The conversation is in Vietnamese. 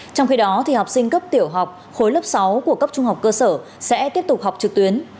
trong khi đó học sinh cấp tiểu học khối lớp sáu của cấp trung học cơ sở sẽ tiếp tục học trực tuyến